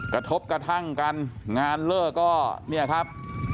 กระทบกระทั่งกันงานเลิกก็เนี่ยครับ